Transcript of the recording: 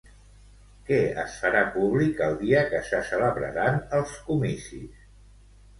Quan es farà públic el dia que se celebraran els comicis?